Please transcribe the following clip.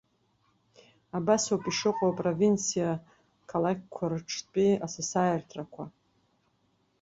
Абасоуп ишыҟоу апровинциа қалақьқәа рҿтәи асасааирҭақәа.